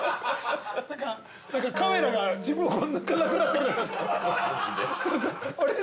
なんか、カメラが自分のほう抜かなくなってくるあれ？